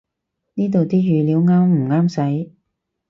呢度啲語料啱唔啱使